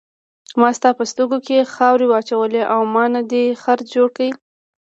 ما ستا په سترګو کې خاورې واچولې او ما نه دې خر جوړ کړ.